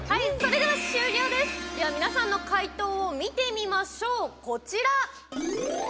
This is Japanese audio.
では皆さんの解答を見てみましょう、こちら。